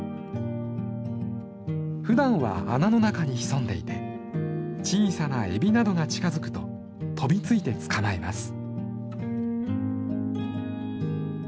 ふだんは穴の中に潜んでいて小さなエビなどが近づくと飛びついて捕まえます。